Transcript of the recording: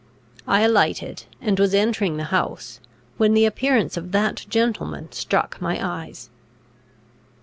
I alighted, and was entering the house, when the appearance of that gentleman struck my eyes.